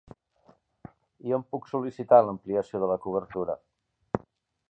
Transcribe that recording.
I on puc sol·licitar l'ampliació de la cobertura?